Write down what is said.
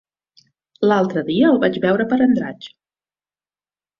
L'altre dia el vaig veure per Andratx.